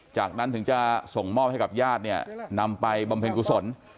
จากนั้นถึงจะส่งมอบให้กับญาติเนี่ยนำไปบำเพ็ญกุศล